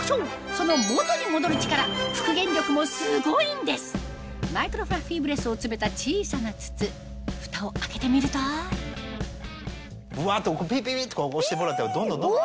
その元に戻る力マイクロフラッフィーブレスを詰めた小さな筒ふたを開けてみるとぶわっとピピピと押してもらったらどんどんどんどん。